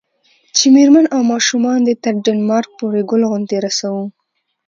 چې میرمن او ماشومان دې تر ډنمارک پورې ګل غوندې رسوو.